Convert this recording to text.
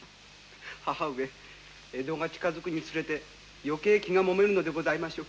母上江戸が近づくにつれて余計気がもめるのでございましょう。